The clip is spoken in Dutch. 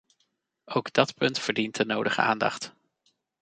Ook dat punt verdient de nodige aandacht.